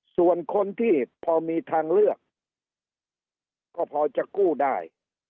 ส่วนคนที่พอมีทางเลือกก็พอจะกู้ได้